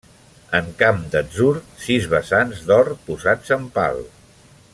En camp d'atzur, sis besants d'or posats en pal.